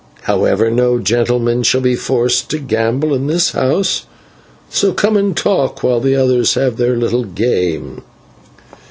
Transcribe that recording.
However, no gentleman shall be forced to gamble in this house, so come and talk while the others have their little game."